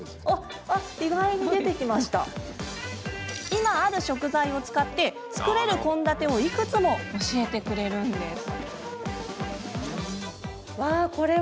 今ある食材を使って作れる献立をいくつも教えてくれるんです。